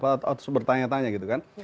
otsus bertanya tanya gitu kan